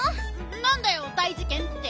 なんだよ大じけんって。